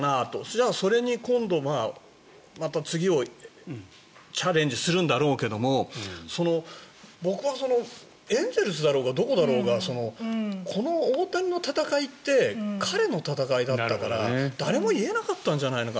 じゃあ、それに今後また次をチャレンジするんだろうけど僕はエンゼルスだろうがどこだろうがこの大谷の戦いって彼の戦いだったから誰も言えなかったんじゃないか。